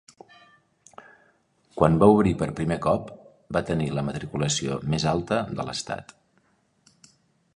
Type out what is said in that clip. Quan va obrir per primer cop, va tenir la matriculació més alta de l'estat.